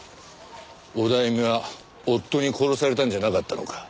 オダエミは夫に殺されたんじゃなかったのか？